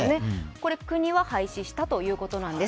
これ、国は廃止したということなんです。